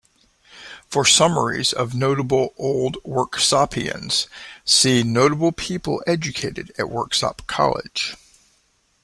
For summaries of notable Old Worksopians see Notable people educated at Worksop College.